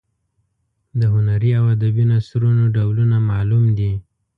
د هنري او ادبي نثرونو ډولونه معلوم دي.